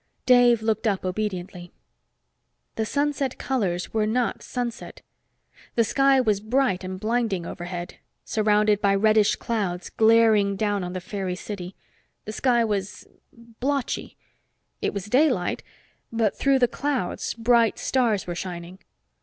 Dave looked up obediently. The sunset colors were not sunset. The sun was bright and blinding overhead, surrounded by reddish clouds, glaring down on the fairy city. The sky was blotchy. It was daylight, but through the clouds bright stars were shining.